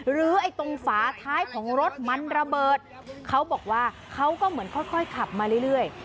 ไอ้ตรงฝาท้ายของรถมันระเบิดเขาบอกว่าเขาก็เหมือนค่อยขับมาเรื่อย